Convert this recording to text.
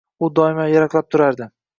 U doimo yaraqlab turardi.